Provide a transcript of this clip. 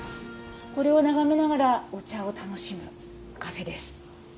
これを眺めながらお茶を楽しむカフェです。